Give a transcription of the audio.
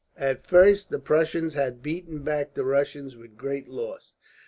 At first the Prussians had beaten back the Russians with great loss.